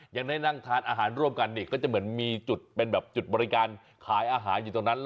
ยังได้นั่งทานอาหารร่วมกันนี่ก็จะเหมือนมีจุดเป็นแบบจุดบริการขายอาหารอยู่ตรงนั้น